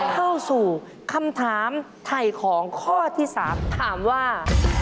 เข้าสู่คำถามไถ่ของข้อที่๓ถามว่า